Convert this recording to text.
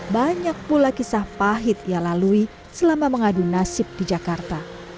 banyak pula kisah pahit ia lalui selama mengadu nasib di jakarta